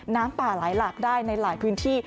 น้ำป่าไหลหลากได้ในหลายพื้นที่